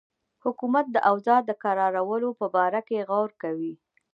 حکومت د اوضاع د کرارولو په باره کې غور کوي.